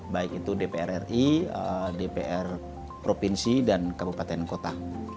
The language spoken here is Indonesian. baik itu dpr ri dpr provinsi dan kabupaten kota